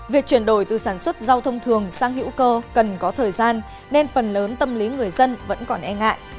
việc chuyển đổi từ sản xuất rau thông thường sang hữu cơ cần có thời gian nên phần lớn tâm lý người dân vẫn còn e ngại